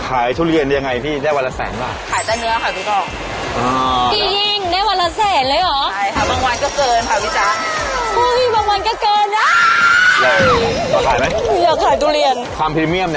ขายทุเรียนยังไงพี่ได้วันละแสนป่ะ